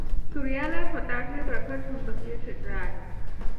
सूर्याला स्वत चे प्रखर चुंबकीय क्षेत्र आहे.